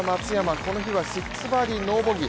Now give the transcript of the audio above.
この日は６バーディノーボギー